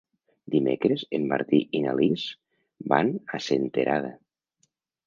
Dimecres en Martí i na Lis van a Senterada.